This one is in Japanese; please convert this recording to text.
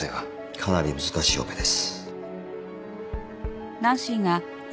かなり難しいオペです。